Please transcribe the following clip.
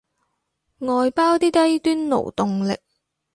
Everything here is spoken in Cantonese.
外包啲低端勞動力